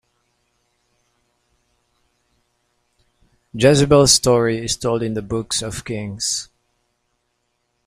Jezebel's story is told in the Books of Kings.